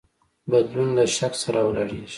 بدلون له شک څخه راولاړیږي.